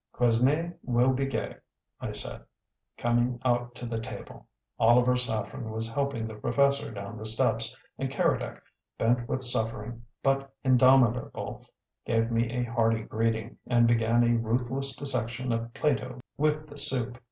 "Quesnay will be gay," I said, coming out to the table. Oliver Saffren was helping the professor down the steps, and Keredec, bent with suffering, but indomitable, gave me a hearty greeting, and began a ruthless dissection of Plato with the soup.